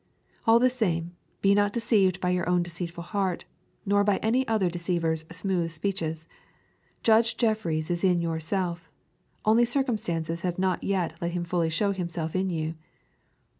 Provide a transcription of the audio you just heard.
At the same time, be not deceived by your own deceitful heart, nor by any other deceiver's smooth speeches. Judge Jeffreys is in yourself, only circumstances have not yet let him fully show himself in you.